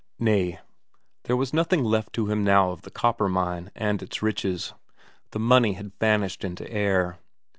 Nay, there was nothing left to him now of the copper mine and its riches the money had vanished into air.